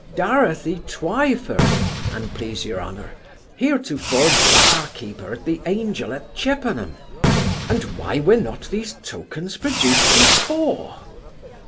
'Dorothy Twyford, an please your honour, heretofore bar keeper at the Angel at Chippenham.' 'And why were not these tokens produced before?